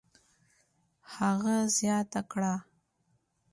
هغه زیاته کړه: